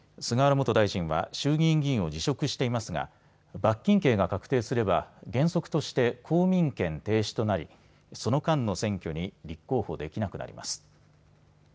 元大臣は衆議院議員を辞職していますが罰金刑が確定すれば原則として公民権停止となりその間の選挙に立候補できなくなります。